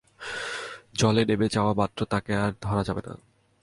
জলে নেমে যাওয়া মাত্র তাকে আর ধরা যাবে না।